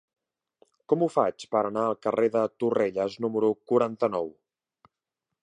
Com ho faig per anar al carrer de Torrelles número quaranta-nou?